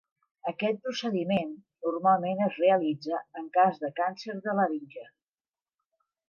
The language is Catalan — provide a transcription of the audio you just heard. Aquest procediment normalment es realitza en cas de càncer de laringe.